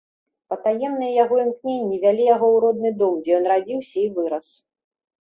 Патаемныя яго імкненні вялі яго ў родны дом, дзе ён радзіўся і вырас.